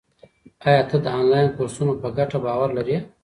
آیا ته د انلاین کورسونو په ګټه باور لرې؟